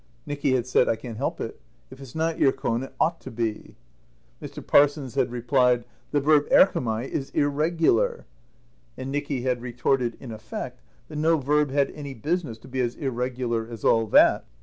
Nicky had said, "I can't help it. If it's not [Greek: êrchon] it ought to be." Mr. Parsons had replied: "The verb [Greek: erchomai] is irregular." And Nicky had retorted, in effect, that no verb had any business to be as irregular as all that.